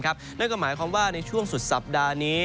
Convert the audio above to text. นั่นก็หมายความว่าในช่วงสุดสัปดาห์นี้